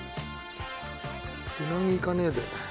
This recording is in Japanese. うなぎいかねえで